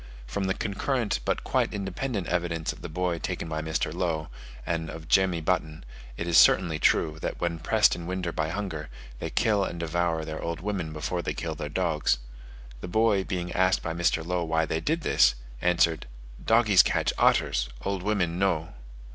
From the concurrent, but quite independent evidence of the boy taken by Mr. Low, and of Jemmy Button, it is certainly true, that when pressed in winter by hunger, they kill and devour their old women before they kill their dogs: the boy, being asked by Mr. Low why they did this, answered, "Doggies catch otters, old women no."